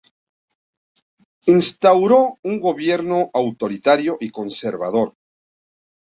Instauró un gobierno autoritario y conservador.